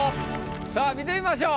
さあ見てみましょう。